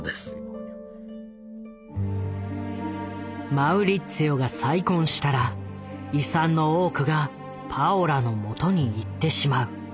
マウリッツィオが再婚したら遺産の多くがパオラのもとにいってしまう。